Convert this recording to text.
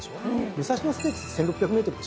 武蔵野ステークス１，６００ｍでしょ。